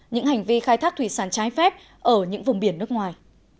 những hành vi khai thác thủy sản trái phép ở những vùng biển nước ngoài